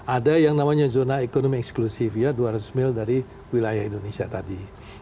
ada yang namanya zona ekonomi eksklusif ya dua ratus mil dari wilayah indonesia tadi